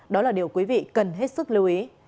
đó là điều quý vị cần hết sức lưu ý